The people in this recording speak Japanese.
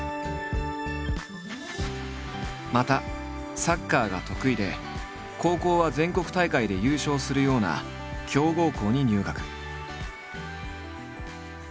またサッカーが得意で高校は全国大会で優勝するような強豪校に入学。